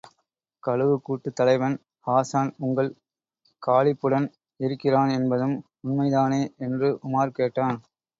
கழுகுக்கூட்டுத் தலைவன் ஹாஸான் உங்கள் காலிப்புடன் இருக்கிறான் என்பதும் உண்மைதானே! என்று உமார் கேட்டான்.